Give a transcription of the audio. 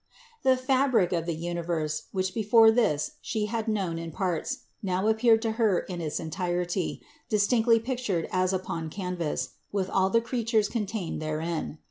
The fabric of the universe, which before this She had known in parts, now appeared to Her in its entirety, distinctly pictured as upon canvas, with all the creatures contained therein.